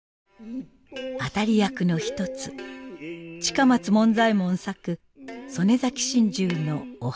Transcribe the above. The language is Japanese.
当たり役の一つ近松門左衛門作「曾根崎心中」のお初。